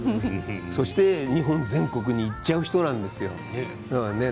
そして日本全国に行っちゃう人なんです。